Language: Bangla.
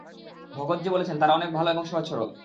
ভগতজি বলেছেন তারা অনেক ভালো এবং সহজ-সরল।